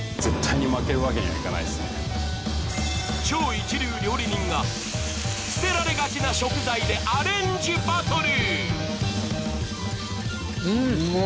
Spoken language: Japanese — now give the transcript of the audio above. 超一流料理人が捨てられがちな食材でアレンジバトル。